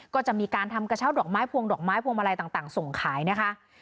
ก็จะมีการทำกระเช้าดอกไม้พวงดอกไม้พวงมาลัยต่างส่งขายนะคะ